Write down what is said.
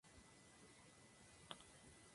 Fue su última aparición.